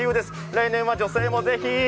来年は女性もぜひ。